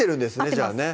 じゃあね